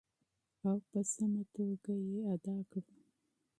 او په سمه توګه یې ادا کړو.